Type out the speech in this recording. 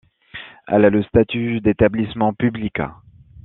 Elle a le statut d’établissement public.